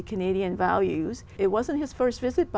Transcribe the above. là cộng đồng lớn nhất